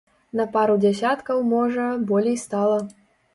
На пару дзясяткаў, можа, болей стала.